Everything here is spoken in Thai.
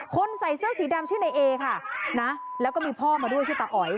ใส่เสื้อสีดำชื่อในเอค่ะนะแล้วก็มีพ่อมาด้วยชื่อตาอ๋อย